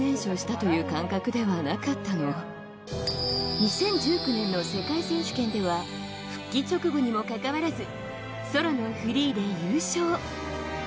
２０１９年の世界選手権では復帰直後にもかかわらず、ソロのフリーで優勝。